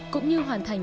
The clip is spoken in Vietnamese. cũng như hoàn thành